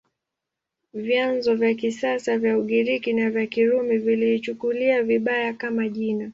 Vyanzo vya kisasa vya Ugiriki na vya Kirumi viliichukulia vibaya, kama jina.